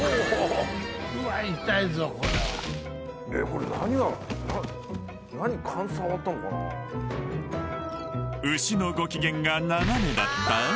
これ何が牛のご機嫌が斜めだった？